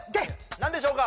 何でしょうか？